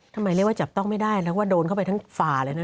ทำไมเรียกว่าจับต้องไม่ได้แล้วก็โดนเข้าไปทั้งฝ่าเลยนะ